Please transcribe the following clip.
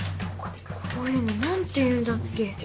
こういうの何て言うんだっけ？